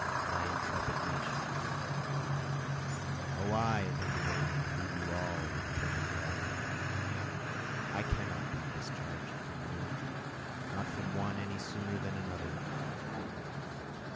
my intrepid nations! O I at any rate include you all with perfect love! I cannot be discharged from you! not from one any sooner than another!